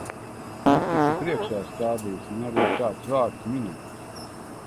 Netiku priekšā stādīts, ne arī kāds vārds minēts.